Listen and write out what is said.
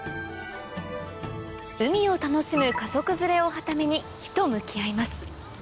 海を楽しむ家族連れをはた目に火と向き合います